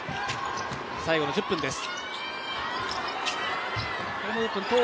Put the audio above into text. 最後の１０分です。